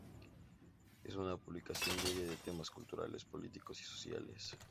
Es una publicación diaria de temas culturales, políticos y sociales.